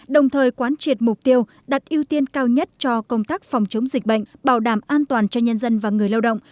đồng thời quán triệt mục tiêu đặt ưu tiên cao nhất cho công tác phòng chống dịch bệnh bảo đảm an toàn cho nhân dân và người lao động